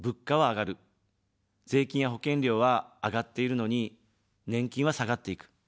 税金や保険料は上がっているのに、年金は下がっていく。